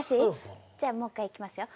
じゃあもう１回いきますよ。